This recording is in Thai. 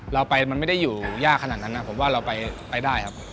เราไปมันไม่ได้อยู่ยากขนาดนั้นนะผมว่าเราไปได้ครับ